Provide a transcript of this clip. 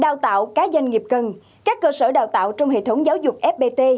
đào tạo các doanh nghiệp cần các cơ sở đào tạo trong hệ thống giáo dục fpt